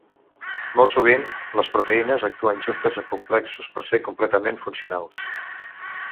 Molt sovint les proteïnes actuen juntes en complexos per ser completament funcionals.